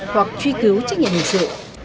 hoặc truy cứu trách nhiệm hình sự